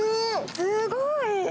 すごい。